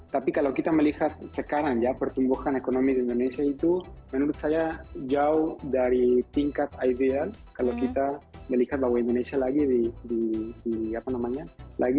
tapi kalau kita melihat sekarang ya pertumbuhan ekonomi di indonesia itu menurut saya jauh dari tingkat ideal kalau kita melihat bahwa indonesia lagi di apa namanya lagi